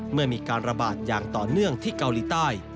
เมื่อมีการระบาดอย่างต่อเนื่องที่เกาหลีใต้